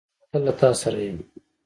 زه به تل له تاسره یم